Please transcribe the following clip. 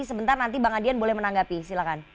sebentar nanti bang adian boleh menanggapi silakan